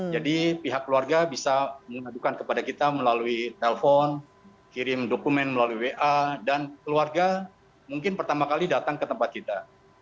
jadi pihak keluarga bisa mengadukan kepada kita melalui telepon kirim dokumen melalui wa dan keluarga mungkin pertama kali datang ke tempat kita